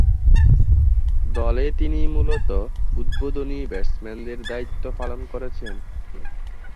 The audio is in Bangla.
দলে তিনি মূলতঃ উদ্বোধনী ব্যাটসম্যানের দায়িত্ব পালন করেছেন।